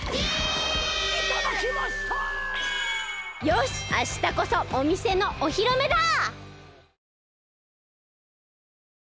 よしあしたこそおみせのおひろめだ！